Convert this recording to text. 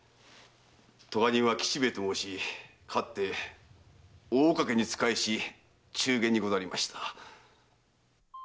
科人は“吉兵衛”と申しかつて大岡家に仕えし“中間”にござりました。